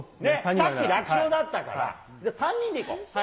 さっき楽勝だったから、３人でいこう。